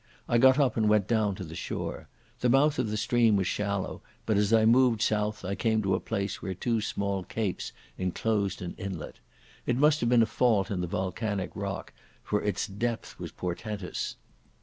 I got up and went down to the shore. The mouth of the stream was shallow, but as I moved south I came to a place where two small capes enclosed an inlet. It must have been a fault in the volcanic rock, for its depth was portentous.